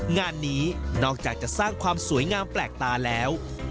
งานนี้นอกจากจะสร้างความสวยงามแปลกตาแล้ว